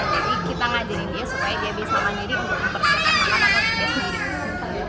jadi kita ngajarin dia supaya dia bisa mandiri untuk mempersiapkan makanan buat dirinya sendiri